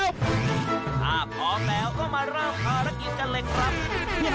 ถ้าพร้อมแล้วก็มาเริ่มภารกิจกันเลยครับ